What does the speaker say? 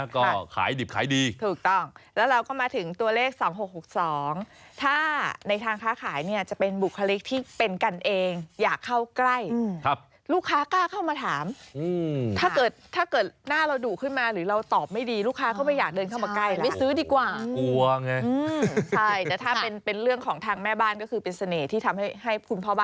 ก็ขายดิบขายดีถูกต้องแล้วเราก็มาถึงตัวเลข๒๖๖๒ถ้าในทางค้าขายเนี่ยจะเป็นบุคลิกที่เป็นกันเองอยากเข้าใกล้ลูกค้ากล้าเข้ามาถามถ้าเกิดถ้าเกิดหน้าเราดุขึ้นมาหรือเราตอบไม่ดีลูกค้าก็ไม่อยากเดินเข้ามาใกล้ไม่ซื้อดีกว่ากลัวไงใช่แต่ถ้าเป็นเป็นเรื่องของทางแม่บ้านก็คือเป็นเสน่ห์ที่ทำให้คุณพ่อบ